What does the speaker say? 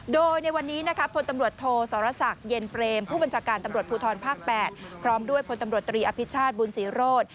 ด้วยคนตำรวจตรีอภิษชาติบุญศรีโรศ